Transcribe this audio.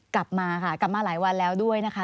กลับมาค่ะกลับมาหลายวันแล้วด้วยนะคะ